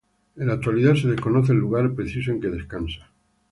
En la actualidad, se desconoce el lugar preciso en que descansa.